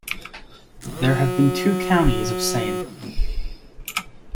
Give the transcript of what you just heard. There have been two Counties of Sayn.